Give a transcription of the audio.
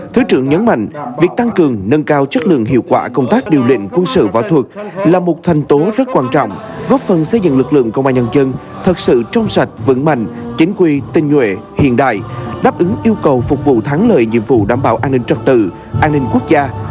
thứ trưởng nhấn mạnh việc tăng cường nâng cao chất lượng hiệu quả công tác điều lệnh quân sự võ thuật là một thành tố rất quan trọng góp phần xây dựng lực lượng công an nhân dân thật sự trong sạch vững mạnh chính quy tinh nhuệ hiện đại đáp ứng yêu cầu phục vụ thắng lợi nhiệm vụ đảm bảo an ninh trật tự an ninh quốc gia